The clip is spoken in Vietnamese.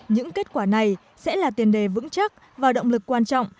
những kết quả này sẽ là tiền đề vững chắc và động lực quan trọng